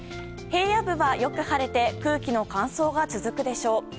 平野部ではよく晴れて空気の乾燥が続くでしょう。